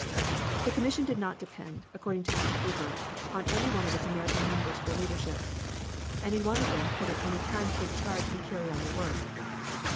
The commission did not depend, according to Mr. Hoover, on anyone of its American members for leadership. Anyone of them could at any time take charge and carry on the work.